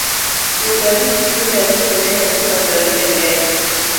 Wuon arus gi min arus ne nyodhore e lela.